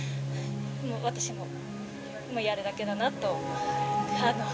私もやるだけだなと。